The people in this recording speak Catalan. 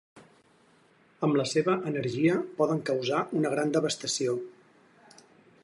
Amb la seva energia poden causar una gran devastació.